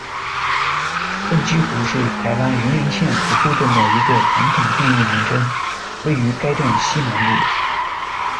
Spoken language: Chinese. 粪箕湖，是台湾云林县土库镇的一个传统地域名称，位于该镇西南部。